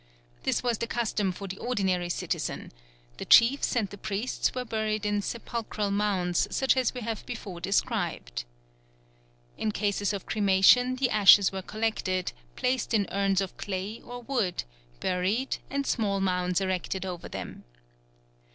This was the custom for the ordinary citizen; the chiefs and the priests were buried in sepulchral mounds such as we have before described. In cases of cremation the ashes were collected, placed in urns of clay or wood, buried, and small mounds erected over them.